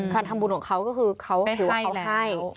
ความทำบุญของเขาก็คือเขาให้ไปให้แล้ว